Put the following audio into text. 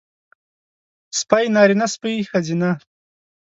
سپی نارينه سپۍ ښځينۀ